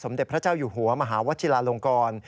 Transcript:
เด็จพระเจ้าอยู่หัวมหาวชิลาลงกร